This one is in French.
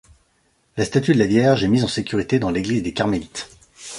La statue de la vierge est mise en sécurité dans l’église des carmélite.